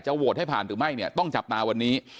โหวตให้ผ่านหรือไม่เนี่ยต้องจับตาวันนี้